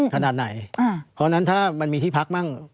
ถนัดไหนเพราะนั้นถ้ามันมีที่พักบ้าง